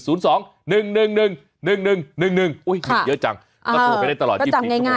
อุ้ยมิตรเยอะจังต้องโทรไปได้ตลอด๒๐ปีจัง